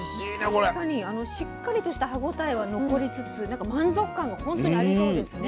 確かにしっかりとした歯応えは残りつつ満足感が本当にありそうですね。ね